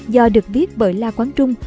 do được viết bởi la quán trung